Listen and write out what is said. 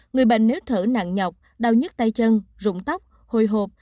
người bệnh nếu thở nặng nhọc đau nhất tay chân rụng tóc hồi hộp